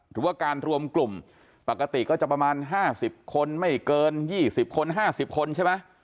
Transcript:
หรือการรวมกลุ่มปกติก็จะประมาณห้าสิบคนไม่เกินยี่สิบคนห้าสิบคนใช่ไหม